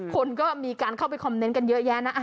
คนก็มีการเข้าไปคอมเมนต์กันเยอะแยะนะ